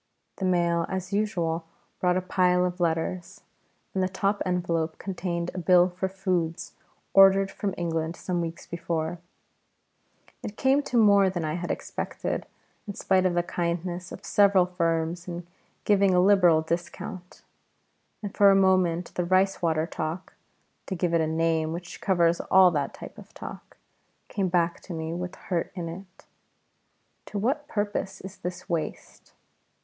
The mail as usual brought a pile of letters, and the top envelope contained a bill for foods ordered from England some weeks before. It came to more than I had expected, in spite of the kindness of several firms in giving a liberal discount; and for a moment the rice water talk (to give it a name which covers all that type of talk) came back to me with hurt in it: "To what purpose is this waste?"